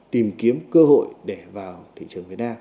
tìm kiếm cơ hội để vào thị trường việt nam